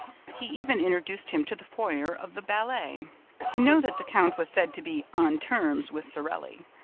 He even introduced him to the foyer of the ballet. I know that the count was said to be "on terms" with Sorelli.